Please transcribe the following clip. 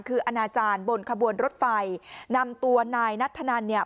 คืออนาจารย์บนขบวนรถไฟนำตัวนายนัทธนันเนี่ย